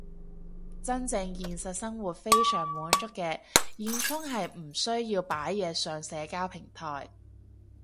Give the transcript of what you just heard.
真正現實生活非常滿足嘅現充係唔需要擺嘢上社交平台